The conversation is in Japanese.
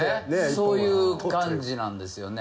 そういう感じなんですよね。